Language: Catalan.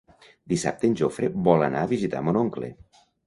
Dissabte en Jofre vol anar a visitar mon oncle.